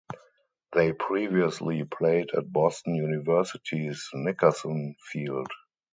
They previously played at Boston University's Nickerson Field.